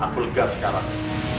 aku sudah berusaha untuk menghentikanmu